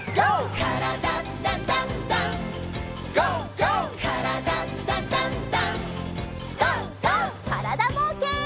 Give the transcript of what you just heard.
からだぼうけん。